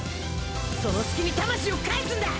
その隙に魂を返すんだ。